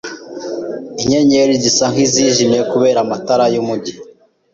Inyenyeri zisa nkizijimye kubera amatara yumujyi.